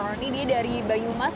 ini dia dari bayu mas